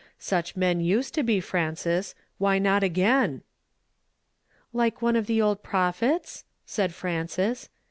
Such men uscmI to ho, Fraiaes ; why not a^^ain'/" '' Like one of the old prophets?" said Frances.